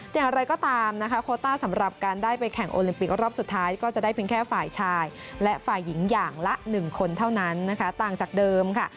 อย่างไรก็ตามนะคะโคต้าสำหรับการได้ไปแข่งโอลิมปิกรอบสุดท้ายก็จะได้เพียงแค่ฝ่ายชายและฝ่ายหญิงอย่างละ๑คนเท่านั้นนะคะต่างจากเดิมค่ะ